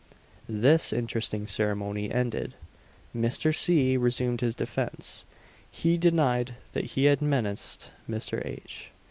This interesting ceremony ended, Mr. C. resumed his defence. He denied that he had menaced Mr. H.